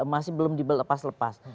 masih belum dilepas lepas